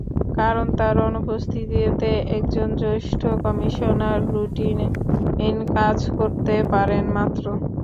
কারণ, তাঁর অনুপস্থিতিতে একজন জ্যেষ্ঠ কমিশনার রুটিন কাজ করতে পারেন মাত্র।